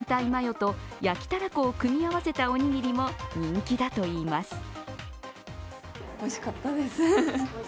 明太マヨと焼きたらこを組み合わせたおにぎりも人気だといいます。